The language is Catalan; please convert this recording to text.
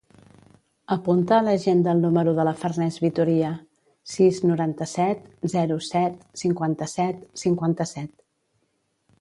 Apunta a l'agenda el número de la Farners Vitoria: sis, noranta-set, zero, set, cinquanta-set, cinquanta-set.